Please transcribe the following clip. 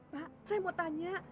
pak saya mau tanya